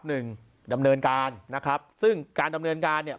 หนึ่งดำเนินการนะครับซึ่งการดำเนินการเนี่ย